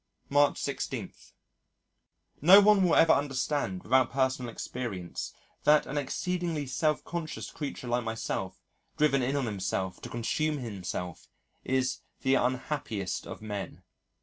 March 16. No one will ever understand without personal experience that an exceedingly self conscious creature like myself driven in on himself to consume himself is the unhappiest of men.